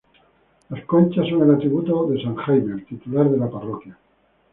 Las conchas son el atributo de San Jaime, el titular de la parroquia.